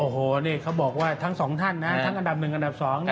โอ้โหนี่เขาบอกว่าทั้งสองท่านนะทั้งอันดับ๑อันดับ๒